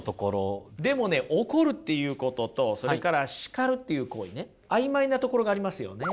でもね怒るっていうこととそれから叱るっていう行為ね曖昧なところがありますよね。